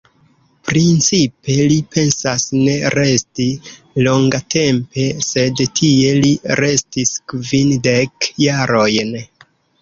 Principe, li pensas ne resti longatempe, sed tie li restis kvindek jarojn.